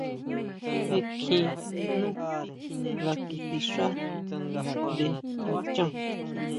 Jé kjín nú nga kisixá ngaʼnde kachan.